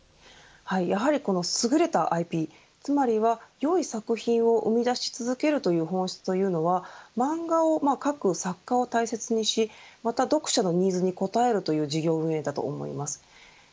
やはり、すぐれたＩＰつまりはよい作品を生み出し続けるという本質というのは漫画を描く作家を大切にしまた読者のニーズに応えるという事業運命だと思います。